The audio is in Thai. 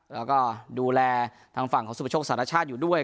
แล้วก็ดูแลทางฝั่งของสุประโชคสารชาติอยู่ด้วย